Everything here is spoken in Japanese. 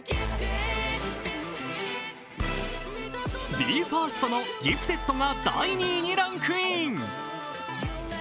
ＢＥ：ＦＩＲＳＴの「Ｇｉｆｔｅｄ．」が２位にランクイン。